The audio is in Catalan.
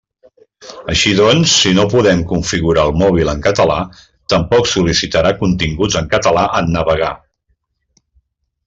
Així doncs, si no podem configurar el mòbil en català, tampoc sol·licitarà continguts en català en navegar.